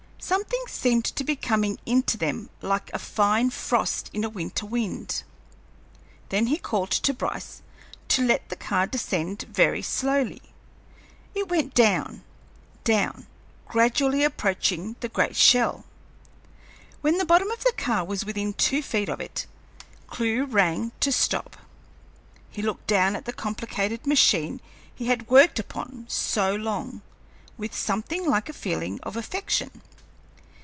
Something seemed to be coming into them like a fine frost in a winter wind. Then he called to Bryce to let the car descend very slowly. It went down, down, gradually approaching the great shell. When the bottom of the car was within two feet of it, Clewe rang to stop. He looked down at the complicated machine he had worked upon so long, with something like a feeling of affection.